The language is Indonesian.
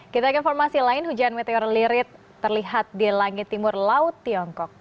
kita ke informasi lain hujan meteor lirit terlihat di langit timur laut tiongkok